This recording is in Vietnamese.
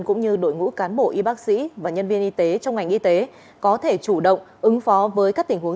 cũng như đội ngũ cán bộ y bác sĩ và nhân viên y tế trong ngành y tế có thể chủ động ứng phó với các tình huống